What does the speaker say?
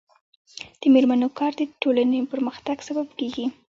د میرمنو کار د ټولنې پرمختګ سبب ګرځي.